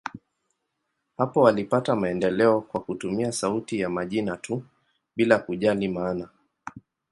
Hapo walipata maendeleo kwa kutumia sauti ya majina tu, bila kujali maana.